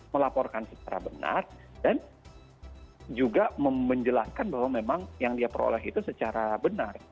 melaporkan secara benar dan juga menjelaskan bahwa memang yang dia peroleh itu secara benar